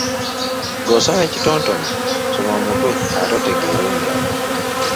Ng’osoma ekitontome, soma omutwe ate otegeere omulamwa.